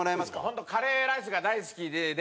本当カレーライスが大好きで。